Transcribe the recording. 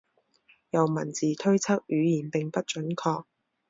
由文字推测语言并不准确。